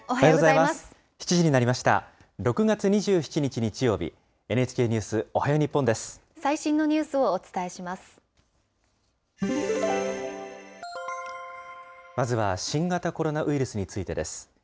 まずは新型コロナウイルスについてです。